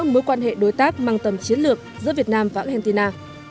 mối quan hệ đối tác mang tầm chiến lược giữa việt nam và argentina